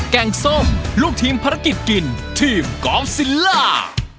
งส้มลูกทีมภารกิจกินทีมกอล์ฟซิลล่า